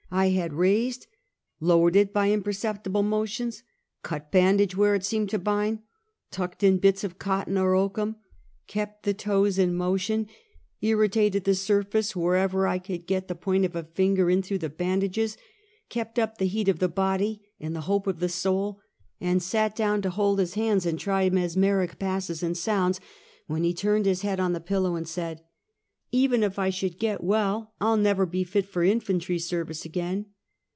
I had raised, low ered it by imperceptible motions; cut bandage where it seemed to bind, tucked in bits of cotton or oakum, kept the toes in motion, irritated the surface wherever I could get the point of a finger in through the ban dages; kept up the heat of the body, and the hope of the soul; and sat down to hold his hands and try mes meric passes and sounds, when he turned his head on the pillow, and said :" Even if I should get well, I'll never be fit for in fantry service again."